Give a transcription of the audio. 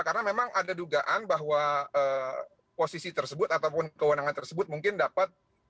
karena memang ada dugaan bahwa posisi tersebut ataupun kewenangan tersebut mungkin dapat dihapus